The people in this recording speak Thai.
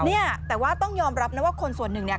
เนี่ยแต่ว่าต้องยอมรับนะว่าคนส่วนหนึ่งเนี่ย